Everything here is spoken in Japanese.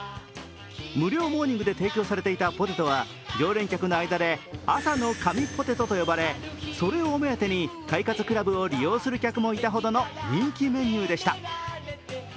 無料モーニングで提供されていたポテトは常連客の間で朝の神ポテトと呼ばれ、それを目当てに快活ＣＬＵＢを利用する客もいたほどの人気メニューでした。